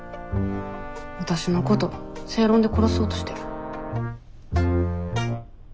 わたしのこと正論で殺そうとしてる？